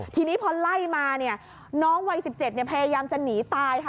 ทีนี้พอไล่มาเนี่ยน้องวัย๑๗พยายามจะหนีตายค่ะ